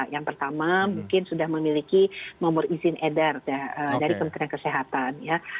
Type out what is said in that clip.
yang pertama mungkin sudah memiliki memurizin edar dari kementerian kesehatan